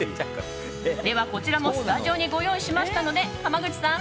こちらもスタジオにご用意しましたので濱口さん